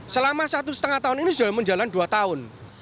selama satu lima tahun ini sudah menjalan dua tahun